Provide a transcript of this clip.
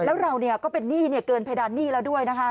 แล้วเราก็เป็นหนี้เกินเพดานหนี้แล้วด้วยนะคะ